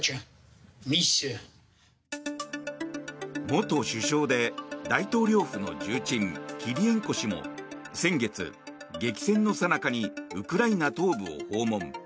元首相で大統領府の重鎮キリエンコ氏も先月、激戦のさなかにウクライナ東部を訪問。